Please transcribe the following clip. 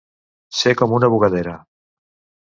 Ser com una bugadera.